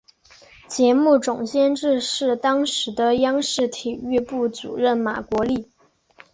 节目总监制是当时的央视体育部主任马国力。